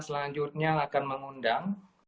selanjutnya akan mengundang